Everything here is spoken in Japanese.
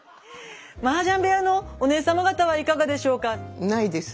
マージャン部屋のお姉様方はいかがでしょうか？